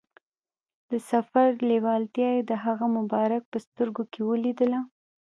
د سفر لیوالتیا یې د هغه مبارک په سترګو کې ولیدله.